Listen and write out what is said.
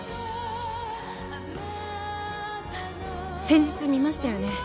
先日見ましたよね？